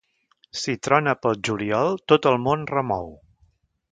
Si trona pel juliol tot el món remou.